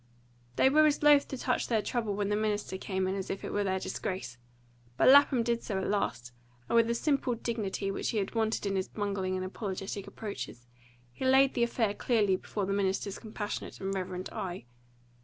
They were as loath to touch their trouble when the minister came in as if it were their disgrace; but Lapham did so at last, and, with a simple dignity which he had wanted in his bungling and apologetic approaches, he laid the affair clearly before the minister's compassionate and reverent eye.